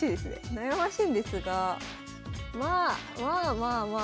悩ましいんですがまあまあまあまあまあ。